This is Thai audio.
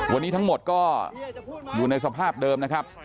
วันนี้ทั้งหมดก็อยู่ในสภาพเดิมนะครับ